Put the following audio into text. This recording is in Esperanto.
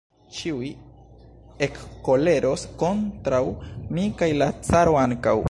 Ĉiuj ekkoleros kontraŭ mi kaj la caro ankaŭ!